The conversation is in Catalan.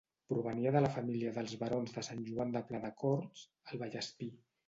Provenia de la família dels barons de Sant Joan de Pladecorts, al Vallespir.